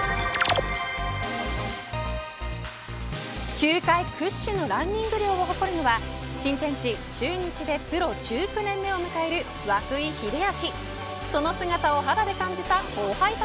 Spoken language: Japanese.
球界屈指のランニング量を誇るのは新天地、中日でプロ１９年目を迎える涌井秀章。